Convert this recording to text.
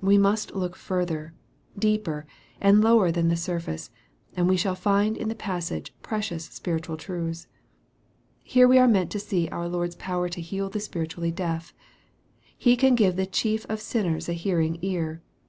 We must look further, deeper, and lower than the surface, and we shall find in the passage precious spiritual truths. Here we are meant to see our Lord's power to heal the spiritually deaf. He can give the chief of sinners a hearing ear.